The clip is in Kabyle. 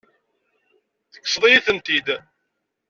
Tekkseḍ-iyi-tent-id.